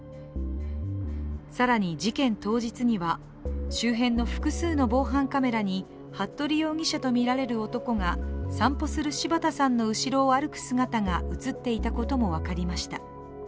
更に事件当日には、周辺の複数の防犯カメラに、服部容疑者とみられる男が散歩する柴田さんの後ろを歩く姿が映っていたことも分かりました。